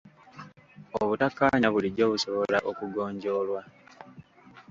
Obutakkaanya bulijjo busobola okugonjoolwa .